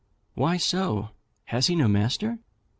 'Why so? Has he no master?'